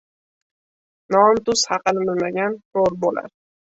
• Non-tuz haqini bilmagan ko‘r bo‘lar.